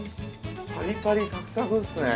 パリパリサクサクですね。